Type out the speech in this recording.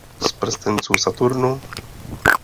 Z prstenců Saturnu?